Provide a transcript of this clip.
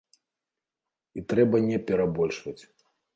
І трэба не перабольшваць.